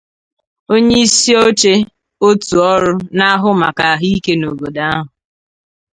onyeisioche òtù ọrụ na-ahụ maka ahụike n'obodo ahụ